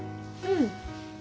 うん。